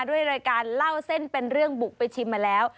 ด้วยรายการเล่าเส้นเป็นเรื่องบุกไปชิมมาแล้ว